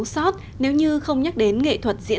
xin chào và hẹn gặp lại